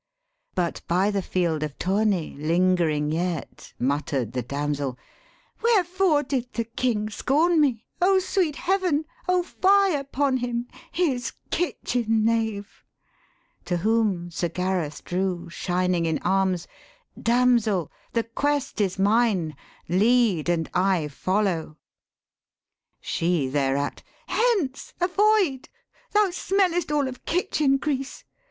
But by the field of tourney lingering yet Mutter'd the damsel, 'Wherefore did the King Scorn me? O sweet heaven! O fie upon him His kitchen knave.' To whom Sir Gareth drew Shining in arms, 'Damsel, the quest is mine. Lead, and I follow.' She thereat, 'Hence! Avoid, thou smellest all of kitchen grease.